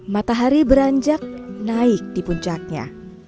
matahari beranjak naik di puncaknya